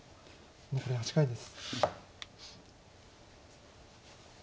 残り８回です。